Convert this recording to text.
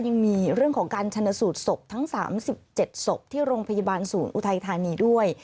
ยังมีเรื่องของการชนสูตรศพทั้ง๓๗ศพที่โรงพยาบาลศูนย์อุทัยธานีด้วย